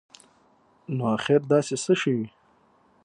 نو اخیر داسي څه شوي